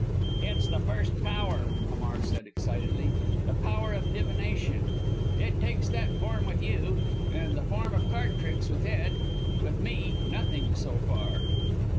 "It's the first power," Hamar said excitedly, "the power of divination. It takes that form with you, and the form of card tricks with Ed with me nothing so far."